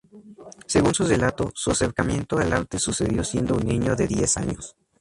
Según su relato, su acercamiento al arte sucedió siendo un niño de diez años.